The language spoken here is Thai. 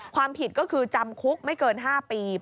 ความผิดก็คือจำคุกไม่เกิน๕ปี